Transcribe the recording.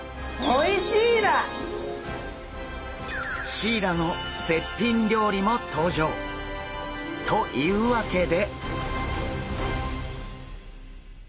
シイラの絶品料理も登場！というわけで！